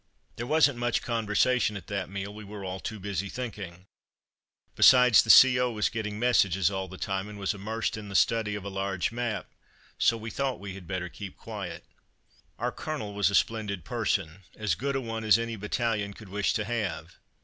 There wasn't much conversation at that meal; we were all too busy thinking. Besides, the C.O. was getting messages all the time, and was immersed in the study of a large map, so we thought we had better keep quiet. Our Colonel was a splendid person, as good a one as any battalion could wish to have.